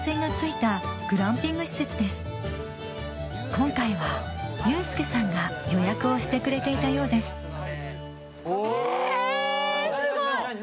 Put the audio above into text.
今回はユースケさんが予約をしてくれていたようです何？